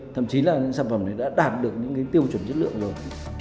thậm chí là những sản phẩm này đã đạt được những cái tiêu chuẩn chất lượng rồi